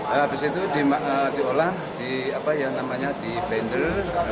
habis itu diolah di apa ya namanya di bender